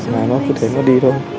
mà nó cứ thế nó đi thôi